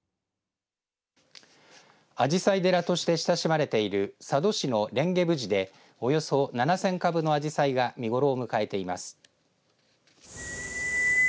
あじさい寺として親しまれている佐渡市の蓮華峰寺でおよそ７０００株のあじさいが見頃を迎えています。